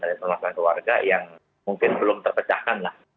ada permasalahan keluarga yang mungkin belum terpecahkan lah